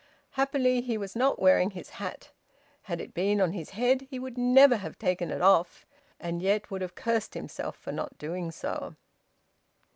Happily he was not wearing his hat; had it been on his head he would never have taken it off, and yet would have cursed himself for not doing so.